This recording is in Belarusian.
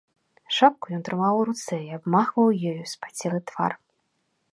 Шапку ён трымаў у руцэ і абмахваў ёю спацелы твар.